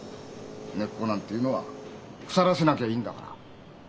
根っこなんていうのは腐らせなきゃいいんだから。